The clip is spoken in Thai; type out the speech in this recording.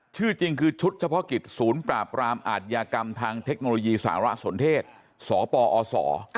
ชื่อจริงคือชุดเฉพาะกิจศูนย์ปราบรามอาทยากรรมทางเทคโนโลยีสารสนเทศสปอศ